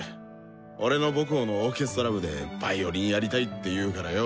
俺の母校のオーケストラ部でヴァイオリンやりたいって言うからよ。